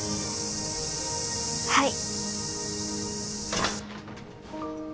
はい。